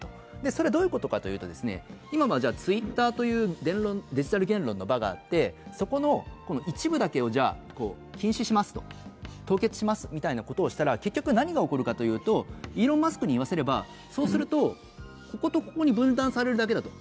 それはどういうことかというと、今はＴｗｉｔｔｅｒというデジタル言論の場があって、そこの一部だけを禁止しますと、凍結しますみたいなことをしたら結局何が起こるかというとイローン・マスクに言わせればこことここに分断されるだけだと。